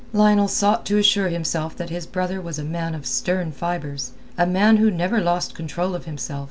Lionel sought to assure himself that his brother was a man of stern fibres, a man who never lost control of himself.